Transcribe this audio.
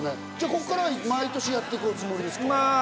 ここからは毎年やっていくつもりですか？